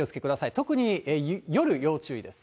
特に夜、要注意です。